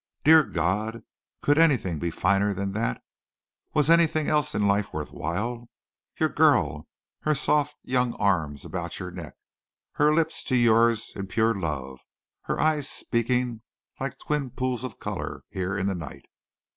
Dear God! Could anything be finer than that? Was anything else in life worth while? Your girl, her soft young arms about your neck, her lips to yours in pure love, her eyes speaking like twin pools of color here in the night.